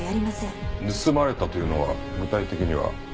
盗まれたというのは具体的には？